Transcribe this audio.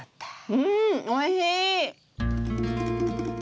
うんおいしい！